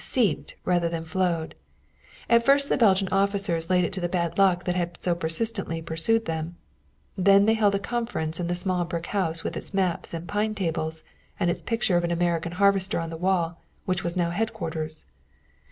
Seeped, rather than flowed. At first the Belgian officers laid it to that bad luck that had so persistently pursued them. Then they held a conference in the small brick house with its maps and its pine tables and its picture of an American harvester on the wall, which was now headquarters.